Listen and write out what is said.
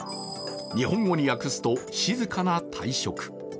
日本語に訳すと、静かな退職。